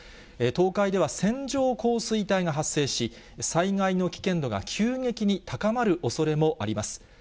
東海では線状降水帯が発生し、災害の危険度が急激に高まるおそれもあります。